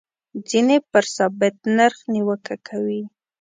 ځینې پر ثابت نرخ نیوکه کوي.